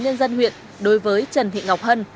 nhân dân huyện đối với trần thị ngọc hân